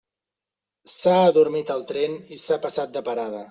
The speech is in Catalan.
S'ha adormit al tren i s'ha passat de parada.